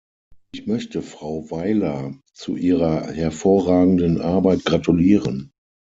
Ich möchte Frau Weiler zu ihrer hervorragenden Arbeit gratulieren.